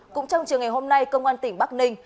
cũng trong chiều ngày hôm nay công an tỉnh bắc ninh